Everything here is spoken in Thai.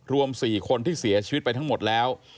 รวม๔คนที่เสียชีวิตไปทั้งหมดแล้ว